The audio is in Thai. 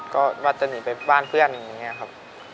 ก็ว่าจะหนีไปบ้านเพื่อนอย่างนี้ครับ